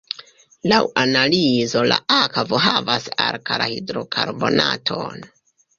Laŭ analizo la akvo havas alkala-hidrokarbonaton.